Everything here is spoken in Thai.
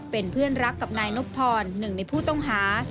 เป็นเพื่อนรักกับนายนบพรหนึ่งในผู้ต้องหา